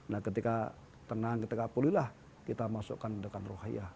nah ketika tenang ketika pulih lah kita masukkan dengan rohaya